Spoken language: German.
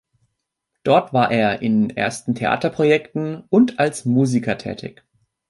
Dort war er in ersten Theaterprojekten und als Musiker tätig.